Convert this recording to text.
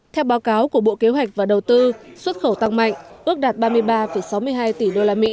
theo báo cáo của bộ kế hoạch và đầu tư xuất khẩu tăng mạnh ước đạt ba mươi ba sáu mươi hai tỷ usd